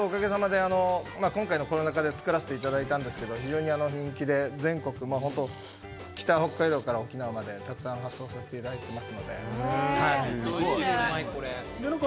コロナ禍で作らせていただいたんですが、非常に人気で北海道から沖縄までたくさん注文をいただいています。